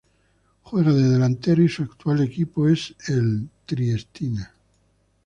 Juega de delantero y su actual equipo es el Triestina.